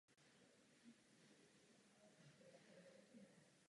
Kyselý až neutrální substrát.